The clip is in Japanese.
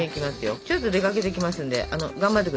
ちょっと出かけてきますんで頑張ってくださいね。